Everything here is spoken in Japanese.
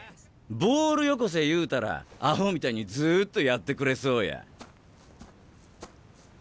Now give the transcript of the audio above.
ボールよこせ言うたらアホみたいにずっとやってくれそうや。